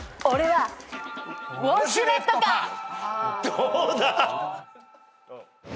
どうだ？